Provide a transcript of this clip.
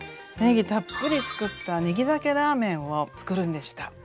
ねぎたっぷり使ったねぎだけラーメンをつくるんでした！